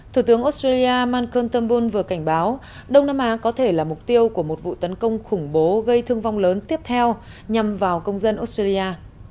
thủ tướng australia malkontombul vừa cảnh báo đông nam á có thể là mục tiêu của một vụ tấn công khủng bố gây thương vong lớn tiếp theo nhằm vào công dân australia